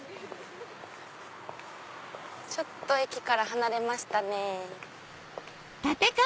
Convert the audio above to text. ちょっと駅から離れましたね。